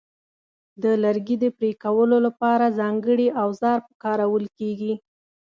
د لرګي د پرې کولو لپاره ځانګړي اوزار کارول کېږي.